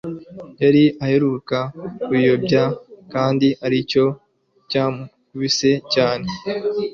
yari aheruka kuyobya kandi aricyo cyamukubise cyane